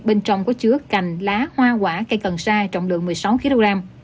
bên trong có chứa cành lá hoa quả cây cần sa trọng lượng một mươi sáu kg